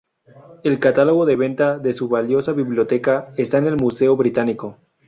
El catálogo de venta de su valiosa biblioteca esta en el Museo Británico.